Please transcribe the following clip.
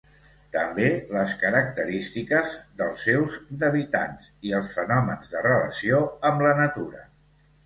També les característiques dels seus d'habitants i els fenòmens de relació amb la natura.